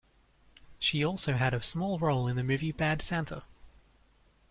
She also had a small role in the movie "Bad Santa".